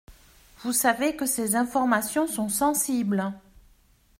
Vous savez que ces informations sont sensibles.